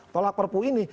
tolak perpu ini